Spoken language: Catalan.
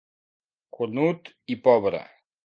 Cornut i pobre.